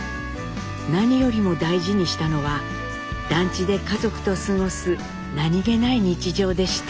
何よりも大事にしたのは団地で家族と過ごす何気ない日常でした。